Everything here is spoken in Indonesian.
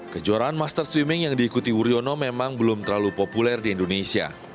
kejuaraan master swimming yang diikuti wuryono memang belum terlalu populer di indonesia